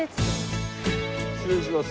失礼します。